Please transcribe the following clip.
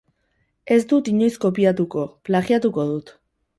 Ez dut inoiz kopiatuko, plagiatuko dut.